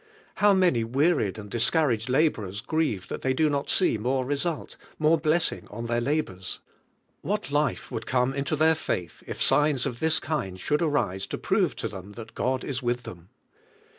How many wearied and discour iiim'iI laborers grieve that they do not see more result, more blessing on their la bors! What life would come into their faith if signs "f this kind should arise to prove to them that God is with them!